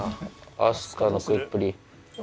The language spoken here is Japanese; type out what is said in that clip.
明日香の食いっぷり。